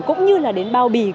cũng như là đến bao bì